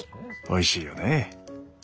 おいしいよね。